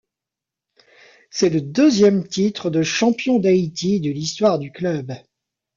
C'est le deuxième titre de champion d'Haïti de l'histoire du club.